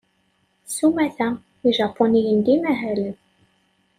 S umata, ijapuniyen d imahalen.